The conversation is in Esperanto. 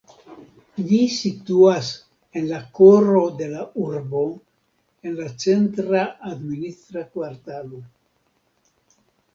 Ĝi situas en la koro de la urbo en la centra administra kvartalo.